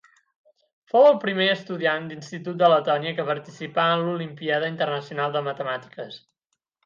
Fou el primer estudiant d'institut de Letònia que participà en l'Olimpíada Internacional de Matemàtiques.